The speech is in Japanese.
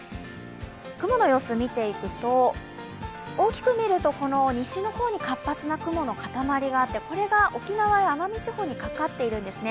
雲の様子、見ていくと大きく見ると西の方に活発な雲の塊があってこれが沖縄や奄美地方にかかっているんですね。